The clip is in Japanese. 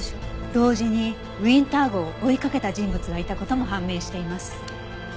同時にウィンター号を追いかけた人物がいた事も判明しています。